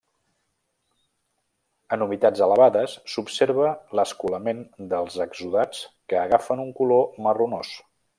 En humitats elevades, s'observa l'escolament dels exsudats que agafen un color marronós.